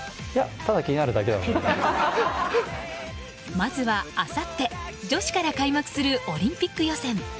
まずは、あさって女子から開幕するオリンピック予選。